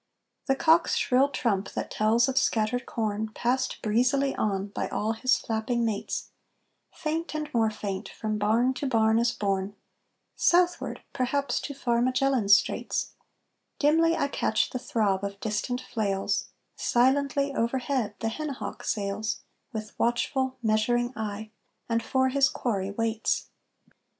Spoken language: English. The cock's shrill trump that tells of scattered corn, Passed breezily on by all his flapping mates, Faint and more faint, from barn to barn is borne, Southward, perhaps to far Magellan's Straits; Dimly I catch the throb of distant flails; Silently overhead the henhawk sails, With watchful, measuring eye, and for his quarry waits.